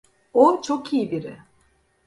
O çok iyi biri.